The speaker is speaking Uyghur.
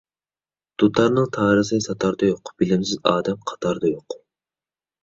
دۇتارنىڭ تارىسى ساتاردا يوق، بىلىمسىز ئادەم قاتاردا يوق.